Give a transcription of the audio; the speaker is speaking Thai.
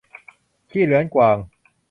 ขี้เรื้อนกวาง